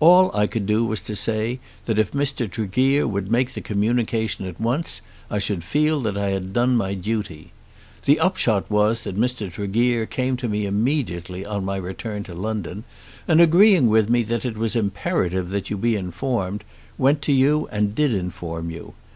All I could do was to say that if Mr. Tregear would make the communication at once, I should feel that I had done my duty. The upshot was that Mr. Tregear came to me immediately on my return to London, and agreeing with me that it was imperative that you be informed, went to you and did inform you.